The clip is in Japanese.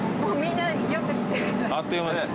あっという間です。